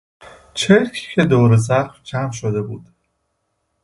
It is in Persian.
چرکی که دور زخم جمع شده بود.